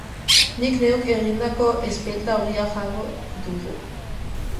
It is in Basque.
Nik neuk egindako espelta ogia jango dugu.